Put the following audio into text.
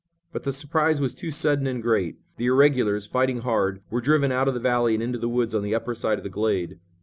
But the surprise was too sudden and great. The irregulars, fighting hard, were driven out of the valley and into the woods on the upper side of the glade.